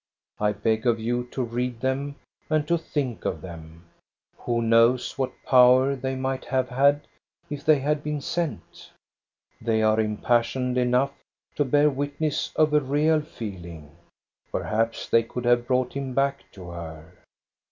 I beg of you to read them and to think of them. Who knows what power they might have had, if they had been sent? They are impassioned enough to bear witness of a real feeling. Perhaps they could have brought him back to her.